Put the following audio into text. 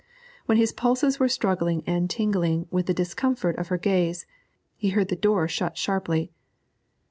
When his pulses were surging and tingling with the discomfort of her gaze, he heard the door shut sharply.